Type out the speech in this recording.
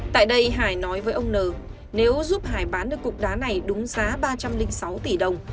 tại đây hải nói với ông n nếu giúp hải bán được cục đá này đúng giá ba trăm linh sáu tỷ đồng